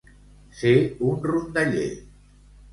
Ser un rondaller.